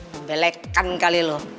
membelekan kali lo